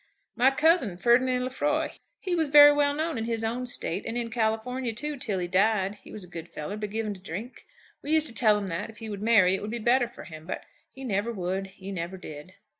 "My cousin; Ferdinand Lefroy. He was very well known in his own State, and in California too, till he died. He was a good fellow, but given to drink. We used to tell him that if he would marry it would be better for him; but he never would; he never did."